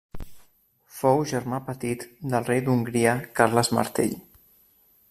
Fou germà petit del rei d'Hongria Carles Martell.